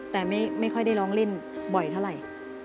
แต่ไม่ค่อยได้ร้องเล่นบ่อยเท่าไหร่